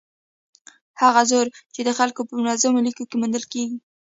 هغه زور چې د خلکو په منظمو لیکو کې موندل کېږي.